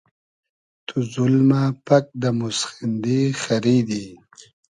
تو زولمۂ پئگ دۂ موسخیندی خئریدی